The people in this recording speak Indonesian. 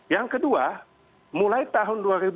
yang kedua mulai tahun dua ribu empat sampai tahun dua ribu tiga belas